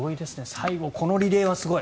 最後、このリレーはすごい。